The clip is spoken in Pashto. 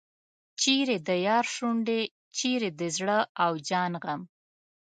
چیرې د یار شونډې چیرې د زړه او جان غم.